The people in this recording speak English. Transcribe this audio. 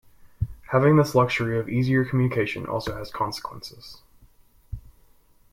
Having this luxury of easier communication also has consequences.